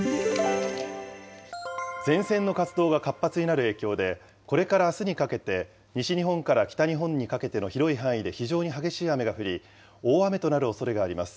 前線の活動が活発になる影響で、これからあすにかけて西日本から北日本にかけての広い範囲で非常に激しい雨が降り、大雨となるおそれがあります。